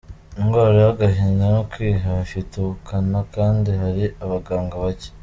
Indwara y’agahinda no kwiheba ifite ubukana kandi hari abaganga bake